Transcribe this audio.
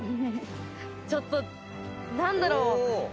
ちょっと何だろう。